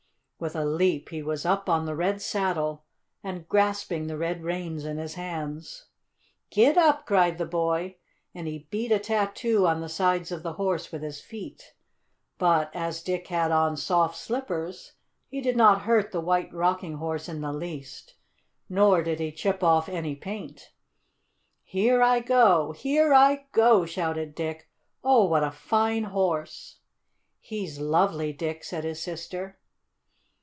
With a leap he was up on the red saddle and grasping the red reins in his hands. "Gid dap!" cried the boy, and he beat a tattoo on the sides of the horse with his feet. But as Dick had on soft slippers, he did not hurt the White Rocking Horse in the least, nor did he chip off any paint. "Here I go! Here I go!" shouted Dick. "Oh, what a fine horse!" "He's lovely, Dick," said his sister.